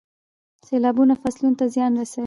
سیلابونه فصلونو ته زیان رسوي.